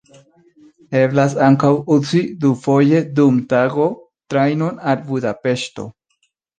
Eblas ankaŭ uzi dufoje dum tago trajnon al Budapeŝto.